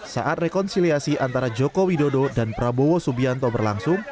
saat rekonsiliasi antara joko widodo dan prabowo subianto berlangsung